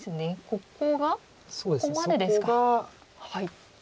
ここがここまでですか。